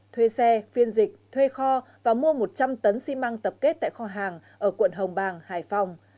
thuê xe phiên dịch thuê kho và mua một trăm linh tấn xi măng tập kết tại kho hàng ở quận hồng bàng hải phòng